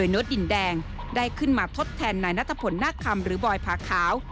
เป็นมาทดแทนนายนัตรผลหน้าคำหรือบอยพาขาว